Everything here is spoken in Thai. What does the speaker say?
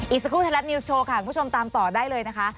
สักครู่ไทยรัฐนิวส์โชว์ค่ะคุณผู้ชมตามต่อได้เลยนะคะ